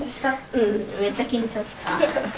うんめっちゃ緊張した。